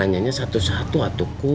nanya satu satu